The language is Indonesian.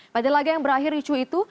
pada laga yang berakhir ricu itu